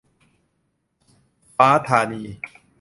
ฟ้าธานี